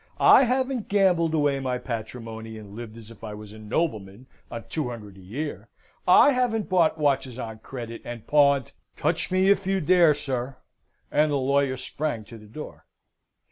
I haven't gambled away my patrimony, and lived as if I was a nobleman on two hundred a year. I haven't bought watches on credit, and pawned touch me if you dare, sir," and the lawyer sprang to the door.